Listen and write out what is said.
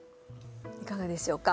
いかがでしょうか